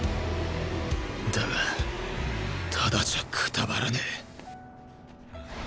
だがタダじゃくたばらねぇ。